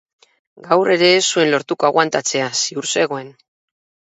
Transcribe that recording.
Gaur ere ez zuen lortuko aguantatzea, ziur zegoen.